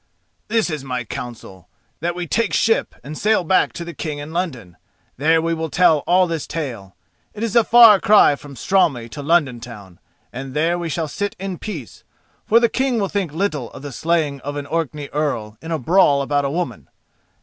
"This is my counsel. That we take ship and sail back to the King in London. There we will tell all this tale. It is a far cry from Straumey to London town, and there we shall sit in peace, for the King will think little of the slaying of an Orkney Earl in a brawl about a woman.